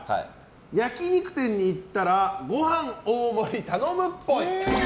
焼き肉店に行ったらご飯大盛り頼むっぽい。